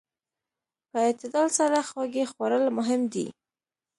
په اعتدال سره خوږې خوړل مهم دي.